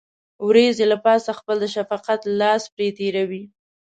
وريځې له پاسه خپل د شفقت لاس پرې تېروي.